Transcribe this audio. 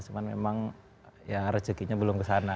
cuman memang ya rezekinya belum kesana